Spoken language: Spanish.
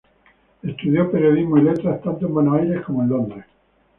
Estudió periodismo y letras, tanto en Buenos Aires como en Londres.